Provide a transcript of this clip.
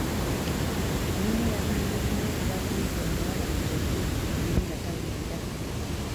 Munne yakanze kumwekubako nti omuwala amuleke naye nga tawulira.